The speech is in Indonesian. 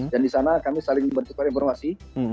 dan di sana kami saling berkumpul informasi